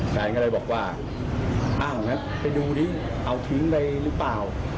แฟนก็เลยบอกว่าอ้าวงั้นไปดูดิเอาทิ้งไปหรือเปล่า